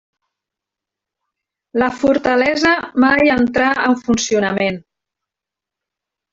La fortalesa mai entrar en funcionament.